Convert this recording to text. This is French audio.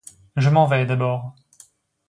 Je m'en vais, d'abord.